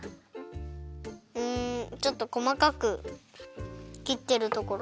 うんちょっとこまかく切ってるところ。